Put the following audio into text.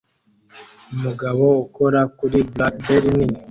Umugabo ukora kuri BlackBerry nini